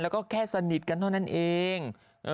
แล้วก็แค่สนิทกันเท่านั้นเอง